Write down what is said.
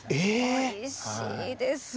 おいしいです！